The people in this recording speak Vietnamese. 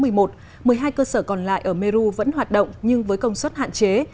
các nhà máy còn lại ở meru vẫn hoạt động nhưng với công suất hạn chế